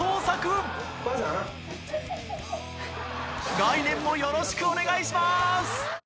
来年もよろしくお願いします！